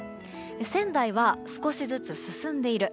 仙台は少しずつ進んでいる。